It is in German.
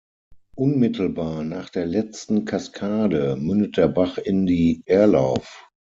Unmittelbar nach der letzten Kaskade mündet der Bach in die Erlauf.